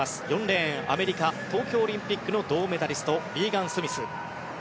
４レーン、アメリカ東京オリンピックの銅メダリストリーガン・スミス。